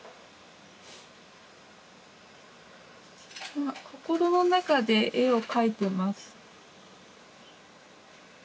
今心の中で絵を描いてます。